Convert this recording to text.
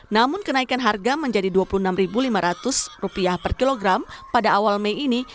namun kenaikan harga menjadi rp dua puluh enam lima ratus per kilogram pada awal mei ini